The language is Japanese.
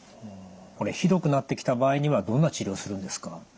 これひどくなってきた場合にはどんな治療をするんですか？